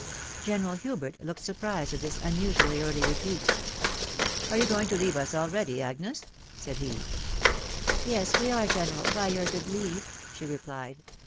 General Hubert looked surprised at this unusually early retreat. " Are you going to leave us already, Agnes ?" said he. " Yes we are, general, by your good leave," she replied.